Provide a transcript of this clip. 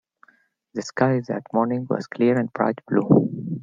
The sky that morning was clear and bright blue.